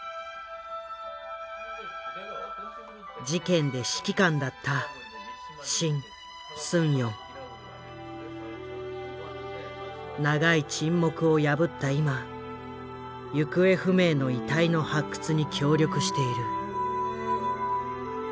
事件で指揮官だった長い沈黙を破った今行方不明の遺体の発掘に協力している。